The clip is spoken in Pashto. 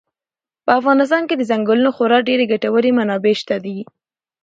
په افغانستان کې د ځنګلونو خورا ډېرې ګټورې منابع شته دي.